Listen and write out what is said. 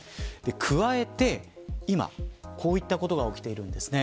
加えて、今こういったことが起きているんです。